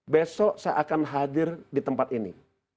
besok saya akan hadir di tempat ini